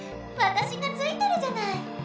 わたしがついてるじゃない。